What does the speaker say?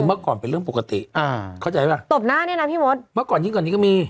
เมื่อก่อนยิ่งก่อนนี้มี